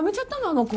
あの子！